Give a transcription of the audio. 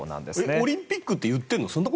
オリンピックって言ってるの？